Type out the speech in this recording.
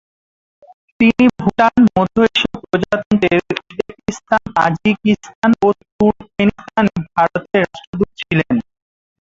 তিনি ভুটান, মধ্য এশীয় প্রজাতন্ত্রের উজবেকিস্তান, তাজিকিস্তান ও তুর্কমেনিস্তানে ভারতের রাষ্ট্রদূত ছিলেন।